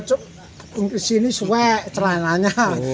ya disini suek celananya